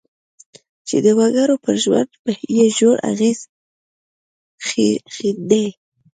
چې د وګړو پر ژوند یې ژور اغېز ښندي.